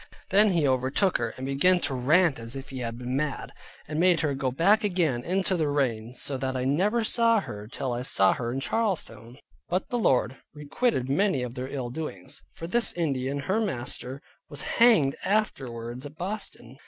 Then he overtook her, and began to rant as if he had been mad, and made her go back again in the rain; so that I never saw her till I saw her in Charlestown. But the Lord requited many of their ill doings, for this Indian her master, was hanged afterward at Boston.